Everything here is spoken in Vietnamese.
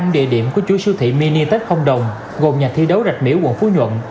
năm địa điểm của chuỗi siêu thị mini tết không đồng gồm nhà thi đấu rạch mỹ quận phú nhuận